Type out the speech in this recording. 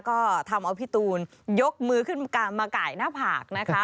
ก็ทำเอาพี่ตูนยกมือขึ้นมาไก่หน้าผากนะคะ